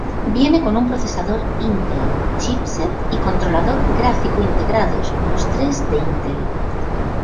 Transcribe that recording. Viene con un procesador Intel, chipset y controlador gráfico integrados, los tres de Intel.